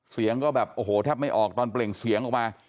เสียงก็แบบโอ้โหแทบไม่ออกตอนเปล่งเสียงออกมา